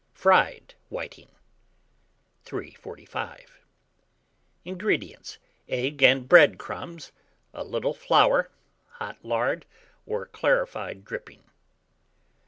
FRIED WHITING. 345. INGREDIENTS. Egg and bread crumbs, a little flour, hot lard or clarified dripping.